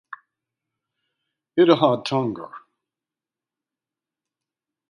Ittihad Tanger